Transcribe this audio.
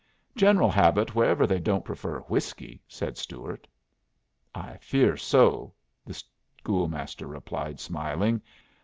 "General habit wherever they don't prefer whiskey," said Stuart. "I fear so," the school master replied, smiling.